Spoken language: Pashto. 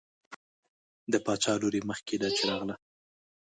د باچا لور یې مخکې ده چې راغله.